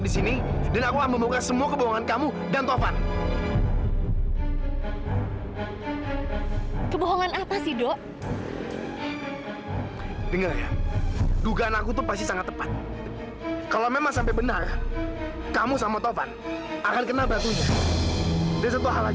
sampai jumpa di video selanjutnya